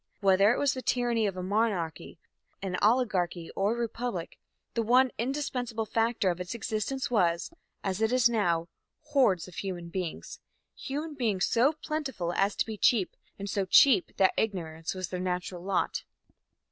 Whether it was the tyranny of a monarchy, an oligarchy or a republic, the one indispensable factor of its existence was, as it is now, hordes of human beings human beings so plentiful as to be cheap, and so cheap that ignorance was their natural lot.